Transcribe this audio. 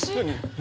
「何？